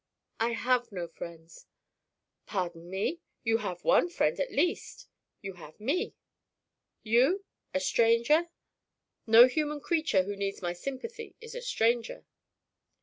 "I have no friends." "Pardon me, you have one friend at least you have me." "You? A stranger?" "No human creature who needs my sympathy is a stranger."